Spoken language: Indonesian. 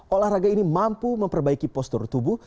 olahraga ini mampu memperbaiki postur tubuh